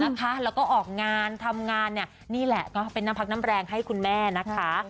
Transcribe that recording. แล้วก็ออกงานทำงานนี่แหละก็เป็นน้ำพักน้ำแรงให้คุณแม่นะคะ